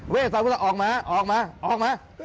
เวสาพุสะออกมาออกมาออกมา